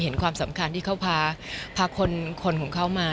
ความสำคัญที่เขาพาคนของเขามา